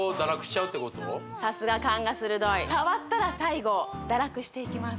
さすが勘が鋭い触ったら最後堕落していきます